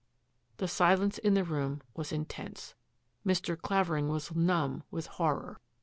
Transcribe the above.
" The silence in the room was intense. Mr. Clavering was numb with horror.